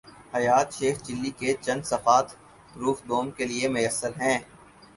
حیات شیخ چلی کے چند صفحات پروف دوم کے لیے میسر ہیں۔